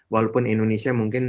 walaupun indonesia mungkin